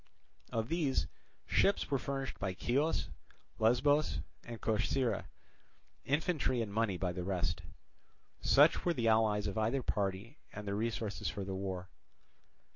Of these, ships were furnished by Chios, Lesbos, and Corcyra, infantry and money by the rest. Such were the allies of either party and their resources for the war.